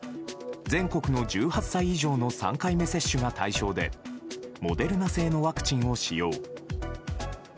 全国の１８歳以上の３回目接種が対象でモデルナ製のワクチンを使用。